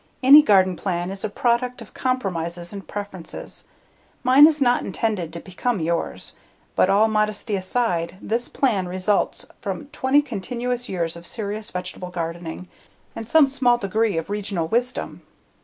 Any garden plan is a product of compromises and preferences; mine is not intended to become yours. But, all modesty aside, this plan results from 20 continuous years of serious vegetable gardening and some small degree of regional wisdom.